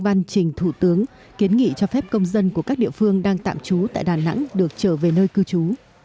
văn trình thủ tướng kiến nghị cho phép công dân của các địa phương đang tạm trú tại đà nẵng được trở về nơi cư trú